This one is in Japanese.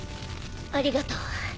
ありがとう。